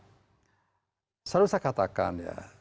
saya selalu bisa katakan ya